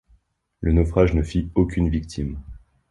Le naufrage ne fit aucune victime.